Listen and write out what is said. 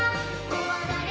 こわがれ！